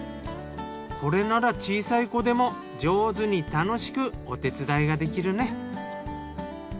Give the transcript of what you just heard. これなら小さい子でも上手に楽しくお手伝いができるね。